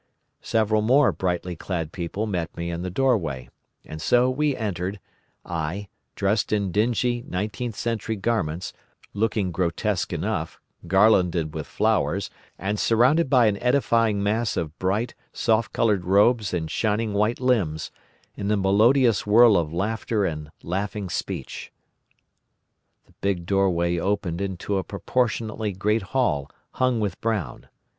Several more brightly clad people met me in the doorway, and so we entered, I, dressed in dingy nineteenth century garments, looking grotesque enough, garlanded with flowers, and surrounded by an eddying mass of bright, soft coloured robes and shining white limbs, in a melodious whirl of laughter and laughing speech. "The big doorway opened into a proportionately great hall hung with brown.